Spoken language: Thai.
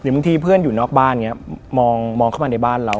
บางทีเพื่อนอยู่นอกบ้านอย่างนี้มองเข้ามาในบ้านเรา